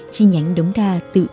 chi nhánh đông đa